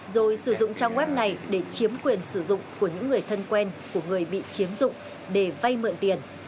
rồi sử dụng trang web này để chiếm quyền sử dụng của những người thân quen của người bị chiếm dụng để vay mượn tiền